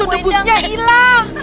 hantu nebusnya hilang